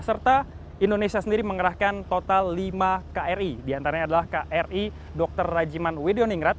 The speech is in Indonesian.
serta indonesia sendiri mengerahkan total lima kri diantaranya adalah kri dr rajiman wedoningrat